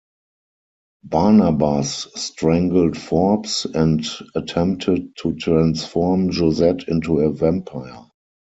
Barnabas strangled Forbes, and attempted to transform Josette into a vampire.